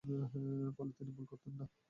ফলে তিনি ভূল করতেন না।